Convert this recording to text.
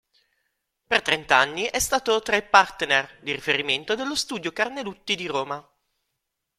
Per trent'anni è stato tra i Partner di riferimento dello studio Carnelutti di Roma.